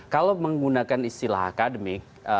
kalau menggunakan istilah akademik